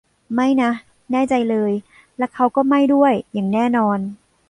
ไม่นะ แน่ใจเลย และเขาก็ไม่ด้วย อย่างแน่นอน